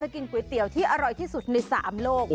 กินก๋วยเตี๋ยวที่อร่อยที่สุดใน๓โลก